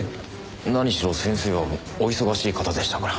何しろ先生はお忙しい方でしたから。